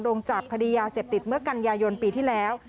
จับคดียาเสพติดเมื่อกันยายนปีที่แล้ว